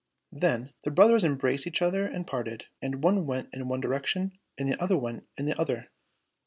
Then the brothers embraced each other and parted, and one went in one direction and the other went in the other.